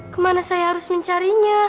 kemana saya harus mencarinya